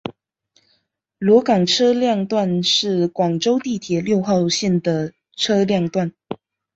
萝岗车辆段是广州地铁六号线的车辆段。